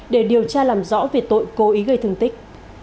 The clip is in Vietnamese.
để điều tra làm rõ về tội cố ý gây thương tích